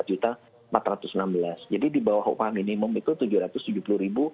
jadi di bawah minimum itu rp tujuh ratus tujuh puluh dua ratus enam puluh tujuh